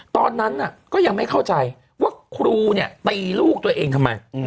ตอนนั้นก็ยังไม่เข้าใจว่าครูเนี่ยตีลูกตัวเองทำไม